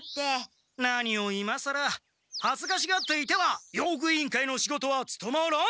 はずかしがっていては用具委員会の仕事はつとまらん！